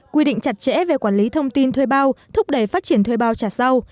quy định chặt chẽ về quản lý thông tin thuê bao thúc đẩy phát triển thuê bao trả sau